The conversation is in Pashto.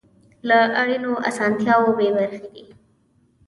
له اړینو اسانتیاوو بې برخې دي.